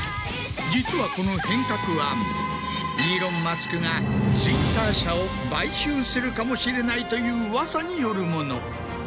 実はこの変革案イーロン・マスクがＴｗｉｔｔｅｒ社を買収するかもしれないといううわさによるもの。